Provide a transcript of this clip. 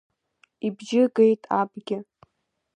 Ибжьы геит абгьы.